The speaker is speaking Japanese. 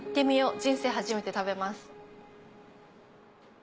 人生初めて食べます。